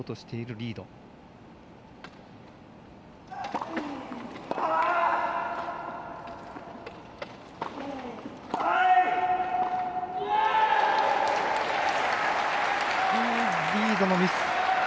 リードのミス。